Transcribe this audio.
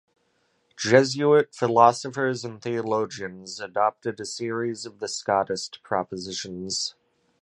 Jesuit philosophers and theologians adopted a series of the Scotist propositions.